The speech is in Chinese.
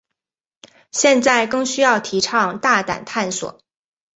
现在更需要提倡大胆探索。